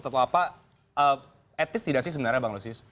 atau ketua dewan penasihat atau apa at least tidak sih sebenarnya bang lucio